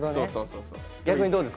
逆にどうですか？